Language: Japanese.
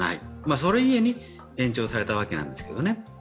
それ故に延長された訳なんですけどね。